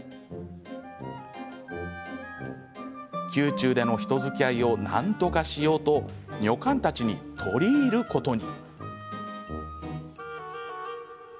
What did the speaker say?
宮中での人づきあいをなんとかしようと女官たちに取り入ることに。